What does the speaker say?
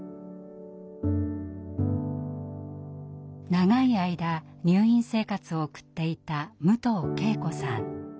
長い間入院生活を送っていた武藤圭子さん。